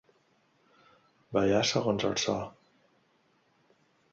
Ballar segons el so.